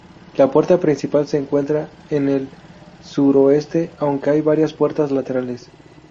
La puerta principal se encuentra en el suroeste, aunque hay varias puertas laterales.